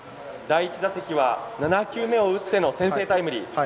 第１打席は７球目を打っての先制タイムリー。